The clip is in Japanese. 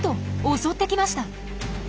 襲ってきました。